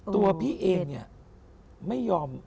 ตัวพี่เองเนี่ยไม่ยอม